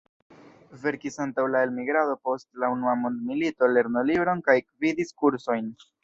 Verkis antaŭ la elmigrado post la Unua Mondmilito lernolibron kaj gvidis kursojn.